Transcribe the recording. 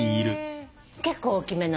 結構大きめなの。